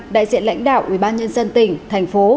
đại diện lãnh đạo ubnd tỉnh thành phố